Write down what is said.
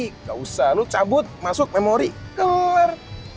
nggak usah lo cabut masuk memory keler